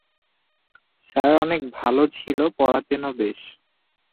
Sir অনেক ভালো ছিলো, পড়াতেনও বেশ।